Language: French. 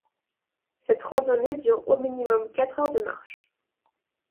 Cette randonnée dure au minimum quatre heures de marche.